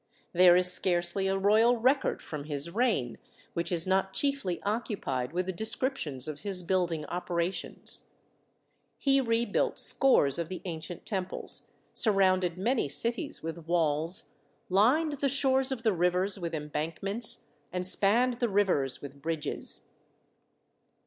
There is scarcely a royal record from his reign which is not chiefly occupied with descrip tions of his building operations. He rebuilt scores of the ancient temples, surrounded many cities with walls, lined the shores of the rivers with THE WALLS OF BABYLON 47 embankments, and spanned the rivers with bridges.